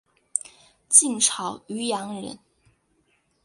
晋朝渔阳人。